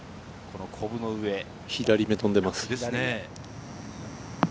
左目に飛んでいます。